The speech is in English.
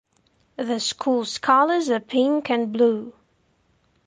The schools colors are pink and blue.